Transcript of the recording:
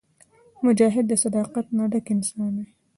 مجاهد د صداقت نه ډک انسان وي.